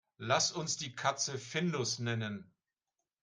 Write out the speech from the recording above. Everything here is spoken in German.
Lass uns die Katze Findus nennen.